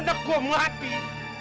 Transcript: mas pok dari mana tuh